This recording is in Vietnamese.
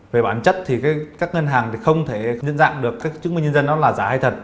về bản chất thì các ngân hàng thì không thể nhận dạng được các chứng minh nhân dân đó là giả hay thật